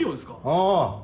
ああ。